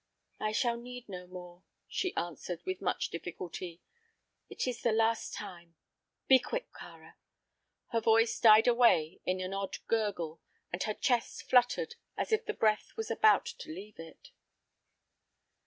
"I shall need no more," she answered, with much difficulty. "It is the last time. Be quick, Kāra!" Her voice died away in an odd gurgle, and her chest fluttered as if the breath was about to leave it.